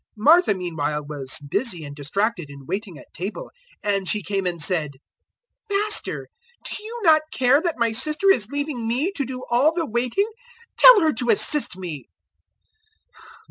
010:040 Martha meanwhile was busy and distracted in waiting at table, and she came and said, "Master, do you not care that my sister is leaving me to do all the waiting? Tell her to assist me."